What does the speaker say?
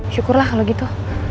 syukurlah kalau gitu